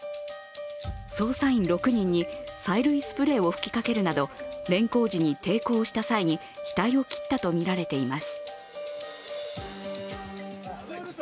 捜査員６人に催涙スプレーを吹きかけるなど、連行時に抵抗した際に額を切ったとみられています。